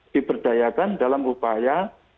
diberdayakan dalam upaya